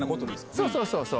そうそうそうそう。